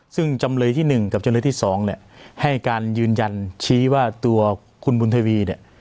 ซึ่งจำเลยที่๑กับจำเลยที่๒เนี่ยให้การยืนยันชี้ว่าตัวคุณบุญทวีเนี่ย